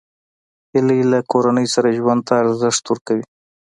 هیلۍ له کورنۍ سره ژوند ته ارزښت ورکوي